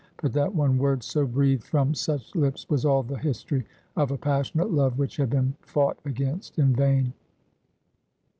But that one word so breathed from such lips was all the history of a passionate love which had been fought against in vain.